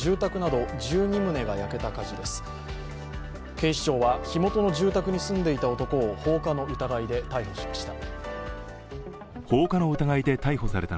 警視庁は、火元の住宅に住んでいた男を放火の疑いで逮捕しました。